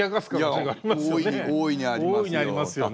いや大いにありますよ。